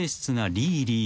ビーリー！